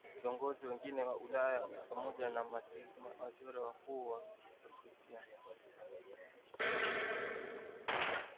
Viongozi wengine wa Ulaya ni pamoja na Mawaziri Wakuu wa Hispania